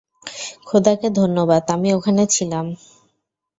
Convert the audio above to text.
খোদাকে ধন্যবাদ, আমি ওখানে ছিলাম।